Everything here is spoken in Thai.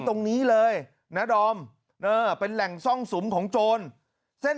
ตรงนี้เลยนะดอมเออเป็นแหล่งซ่องสุมของโจรเส้น